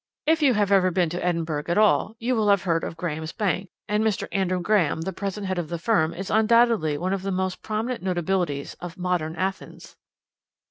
If you have ever been to Edinburgh at all, you will have heard of Graham's bank, and Mr. Andrew Graham, the present head of the firm, is undoubtedly one of the most prominent notabilities of 'modern Athens.'"